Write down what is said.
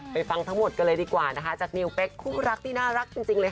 ฟังทั้งหมดกันเลยดีกว่านะคะจากนิวเป๊กคู่รักที่น่ารักจริงเลยค่ะ